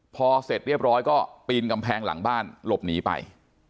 พอเสร็จเรียบร้อยก็ปีนกำแพงหลังบ้านหลบหนีไป